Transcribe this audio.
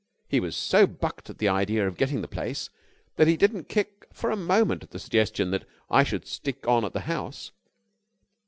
He was so bucked at the idea of getting the place that he didn't kick for a moment at the suggestion that I should stick on at the house.